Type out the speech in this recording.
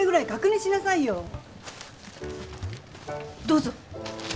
どうぞ。